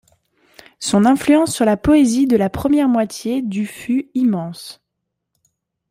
Son influence sur la poésie de la première moitié du fut immense.